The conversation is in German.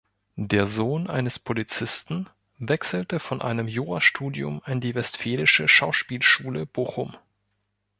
Der Sohn eines Polizisten wechselte von einem Jurastudium an die Westfälische Schauspielschule Bochum.